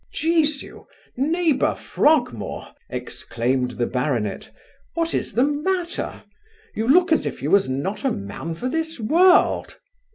'Jesu! neighbour Frogmore (exclaimed the baronet), what is the matter? you look as if you was not a man for this world.